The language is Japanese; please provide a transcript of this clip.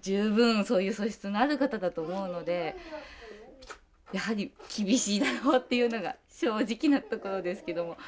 十分そういう素質のある方だと思うのでやはり厳しいだろうっていうのが正直なところですけども。